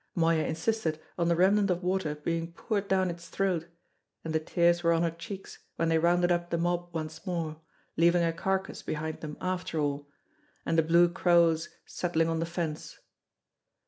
Moya insisted on the remnant of water being poured down its throat and the tears were on her cheeks when they rounded up the mob once more, leaving a carcass behind them after all, and the blue crows settling on the fence.